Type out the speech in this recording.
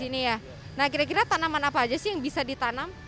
nah kira kira tanaman apa aja sih yang bisa ditanam